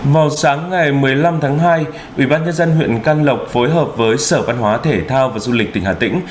vào sáng ngày một mươi năm tháng hai ubnd huyện can lộc phối hợp với sở văn hóa thể thao và du lịch tỉnh hà tĩnh